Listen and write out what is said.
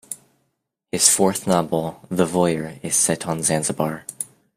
His fourth novel, "The Voyeur" is set on Zanzibar.